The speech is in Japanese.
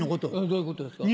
どういうことですか？